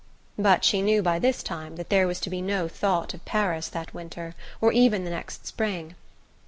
But she knew by this time that there was to be no thought of Paris that winter, or even the next spring.